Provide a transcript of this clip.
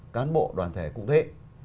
cán bộ đoàn thể cũng thế